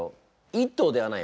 １頭ではない。